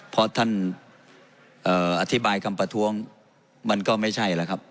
พอท่านอธิบายคำประท้วงมันก็ไม่ใช่แล้วครับ